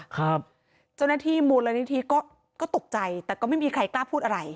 เจ้าหน้าที่มูลนิธิก็ตกใจแต่ก็ไม่มีใครกล้าพูดอะไร